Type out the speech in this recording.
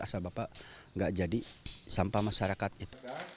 asal bapak nggak jadi sampah masyarakat itu